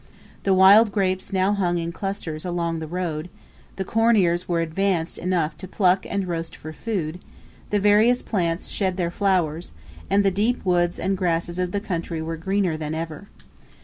The wild grapes now hung in clusters along the road; the corn ears were advanced enough to pluck and roast for food; the various plants shed their flowers; and the deep woods and grasses of the country were greener than ever.